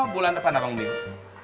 bulan depan abang beli